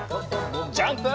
ジャンプ！